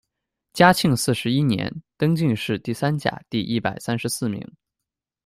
嘉靖四十一年，登进士第三甲第一百三十四名。